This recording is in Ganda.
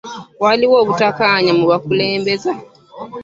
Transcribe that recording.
Waliwo obutakkaanya mu bakulembeza.